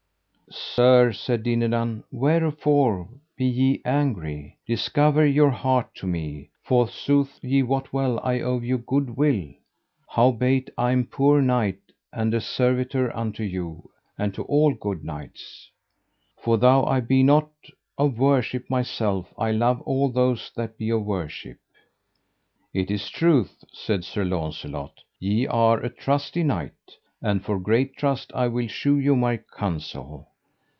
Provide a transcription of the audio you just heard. Sir, said Dinadan, wherefore be ye angry? discover your heart to me: forsooth ye wot well I owe you good will, howbeit I am a poor knight and a servitor unto you and to all good knights. For though I be not of worship myself I love all those that be of worship. It is truth, said Sir Launcelot, ye are a trusty knight, and for great trust I will shew you my counsel.